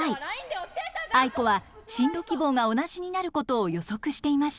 アイコは進路希望が同じになることを予測していました。